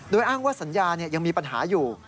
โดยอ้างว่าสัญญายังมีปัญหาอยู่